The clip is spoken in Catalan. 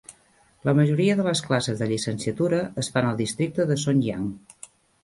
La majoria de les classes de llicenciatura es fan al districte de Songjiang.